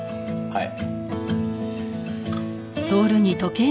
はい。